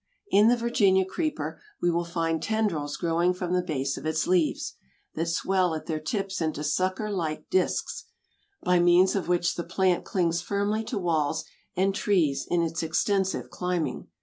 In the Virginia creeper we will find tendrils growing from the base of its leaves, that swell at their tips into sucker like disks, by means of which the plant clings firmly to walls and trees in its extensive climbing.